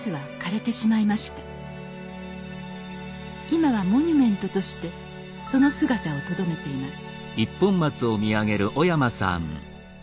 今はモニュメントとしてその姿をとどめています。